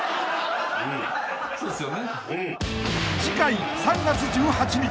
そうっすよね。